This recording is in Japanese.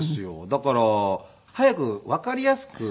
だから早くわかりやすく。